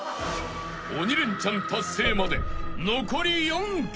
［鬼レンチャン達成まで残り４曲］